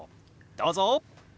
どうぞ！